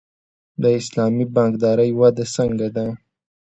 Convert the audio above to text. د اسلامي بانکدارۍ وده څنګه ده؟